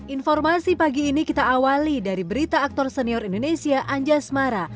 informasi pagi ini kita awali dari berita aktor senior indonesia anja semara